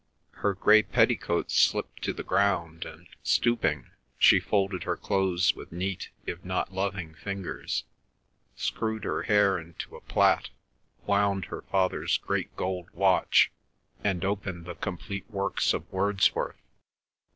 Her grey petticoats slipped to the ground, and, stooping, she folded her clothes with neat, if not loving fingers, screwed her hair into a plait, wound her father's great gold watch, and opened the complete works of Wordsworth.